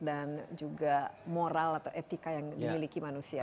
juga moral atau etika yang dimiliki manusia